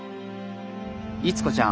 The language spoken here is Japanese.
逸子ちゃん。